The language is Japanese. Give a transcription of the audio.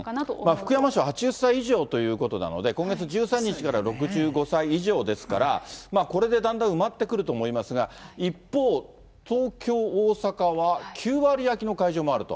福山市は８０歳以上ということなので、今月１３日から６５歳以上ですから、これでだんだん埋まってくると思いますが、一方、東京、大阪は９割空きの会場もあると。